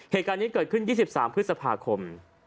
เหตุการณ์นี้เกิดขึ้น๒๓พฤษภาคม